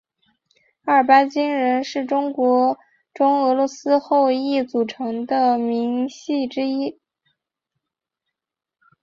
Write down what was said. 阿尔巴津人是中国人中俄罗斯后裔组成的民系之一。